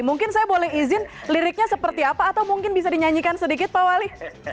mungkin saya boleh izin liriknya seperti apa atau mungkin bisa dinyanyikan sedikit pak wali